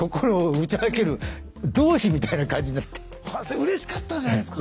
うれしかったんじゃないですか？